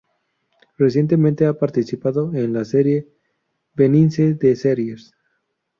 Recientemente ha participado en la serie "Venice the Series".